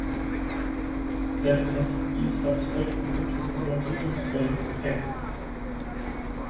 Let "S" be a subset of a topological space "X".